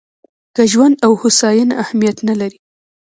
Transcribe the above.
که ژوند او هوساینه اهمیت نه لري.